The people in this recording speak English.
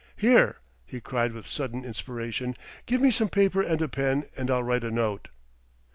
"Here," he cried with sudden inspiration, "give me some paper and a pen, and I'll write a note."